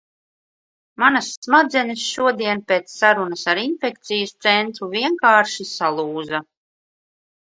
Manas smadzenes šodien pēc sarunas ar infekcijas centru vienkārši salūza...